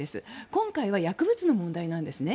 今回は薬物の問題なんですね。